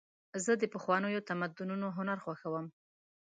زه د پخوانیو تمدنونو هنر خوښوم.